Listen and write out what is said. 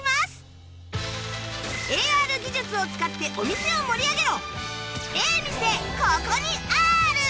ＡＲ 技術を使ってお店を盛り上げろ！